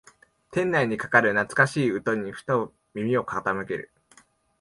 店内にかかる懐かしい歌にふと耳を傾ける